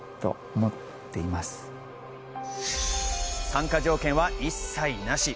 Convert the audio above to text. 参加条件は一切なし。